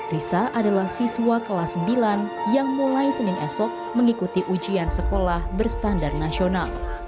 risa adalah siswa kelas sembilan yang mulai senin esok mengikuti ujian sekolah berstandar nasional